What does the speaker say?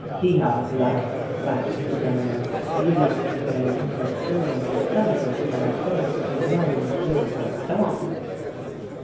"Diable!" laughed the General, "you must be very little sure of yourself if you are afraid to be alone with little Lord John!"